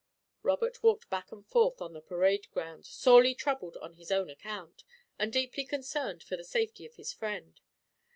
Robert walked back and forth on the parade ground, sorely troubled on his own account, and deeply concerned for the safety of his friend.